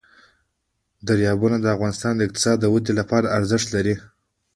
دریابونه د افغانستان د اقتصادي ودې لپاره ارزښت لري.